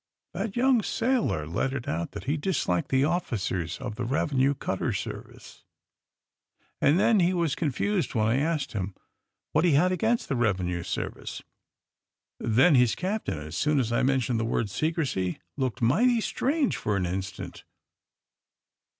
That young sailor let it out that he disliked the officers of the revenue cutter serv ice, and then he was confused when I asked him what he had against the revenue service. Then his captain, as soon as I mentioned the word * secrecy, ' looked mighty strange for an instant.